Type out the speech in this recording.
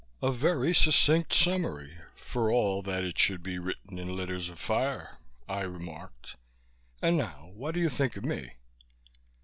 "A very succinct summary, for all that it should be written in letters of fire," I remarked. "And now what do you think of me?"